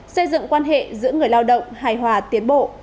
xây dựng quan hệ giữa người lao động hài hòa tiến bộ